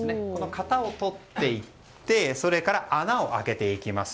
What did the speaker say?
型を取っていってそれから穴を開けていきます。